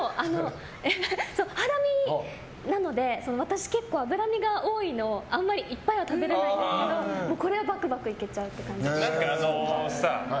ハラミなので私、脂身が多いのあんまりいっぱいは食べられないですけどこれはバクバク行けちゃう感じです。